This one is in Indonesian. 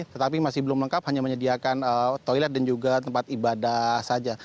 tetapi masih belum lengkap hanya menyediakan toilet dan juga tempat ibadah saja